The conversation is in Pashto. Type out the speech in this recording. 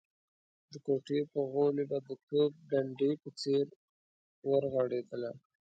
د کوټې په غولي به د توپ ډنډې په څېر ورغړېدله.